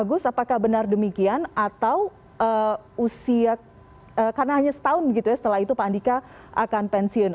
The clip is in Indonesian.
agus apakah benar demikian atau usia karena hanya setahun gitu ya setelah itu pak andika akan pensiun